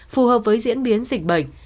phù hợp với diễn biến dịch bệnh